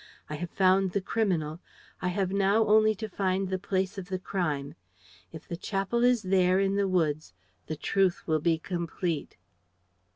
I have found the criminal; I have now only to find the place of the crime. If the chapel is there, in the woods, the truth will be complete."